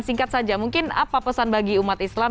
singkat saja mungkin apa pesan bagi umat islam